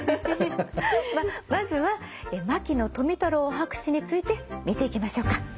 まあまずは牧野富太郎博士について見ていきましょうか。